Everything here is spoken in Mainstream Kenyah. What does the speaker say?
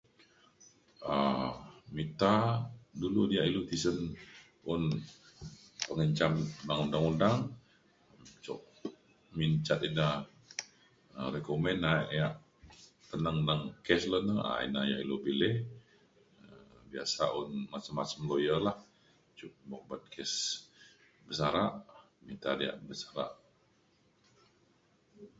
um mita dulu diak ilu tisen un pengenjam beng undang undang cuk min cat ida um be kumbin aek yak teneng neng kes le ne na ina yak ilu pilih. biasa un masem masem lawyer lah cuk mopet kes besara mita diak besara.